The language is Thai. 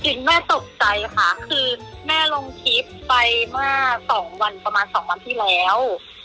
จริงแม่ตกใจค่ะคือแม่ลงคลิปไปเมื่อประมาณ๒วันที่แล้ว